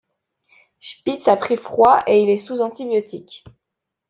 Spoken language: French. Spitz a pris froid et il est sous antibiotiques.